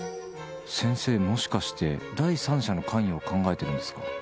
先生、もしかして第三者の関与を考えているんですか。